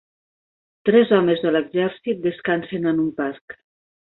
Tres homes de l'exèrcit descansen a un parc.